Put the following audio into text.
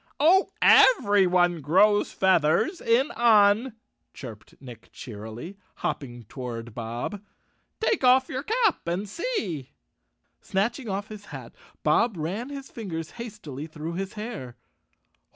" Oh, everyone grows feathers in Un," chirped Nick cheerily, hopping toward Bob. "Take off your cap and see." Snatching off his hat Bob ran his fingers hastily through his hair.